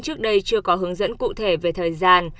trước đây chưa có hướng dẫn cụ thể về thời gian